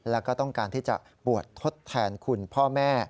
แล้วก็ต้องการที่จะบวชทดแทนคุณพ่อแม่